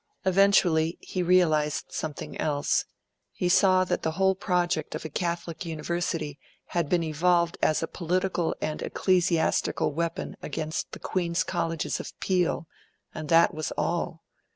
Eventually, he realised something else: he saw that the whole project of a Catholic University had been evolved as a political and ecclesiastical weapon against the Queen's Colleges of Peel, and that was all.